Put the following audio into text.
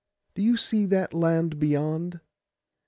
Do you see that land beyond?